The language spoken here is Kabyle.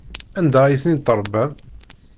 Anda ay ten-id-tṛebbam?